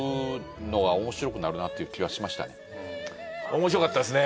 面白かったっすね。